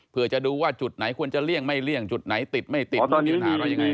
เพื่อจะดูว่าจุดไหนควรจะเลี่ยงไม่เลี่ยงจุดไหนติดไม่ติดหรือมีปัญหาอะไรยังไง